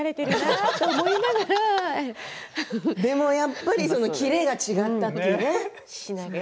笑い声でもやっぱりキレが違ったんですよね。